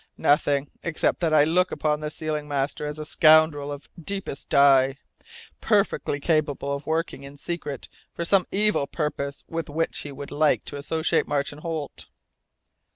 "Nothing, except that I look upon the sealing master as a scoundrel of the deepest dye, perfectly capable of working in secret for some evil purpose with which he would like to associate Martin Holt!"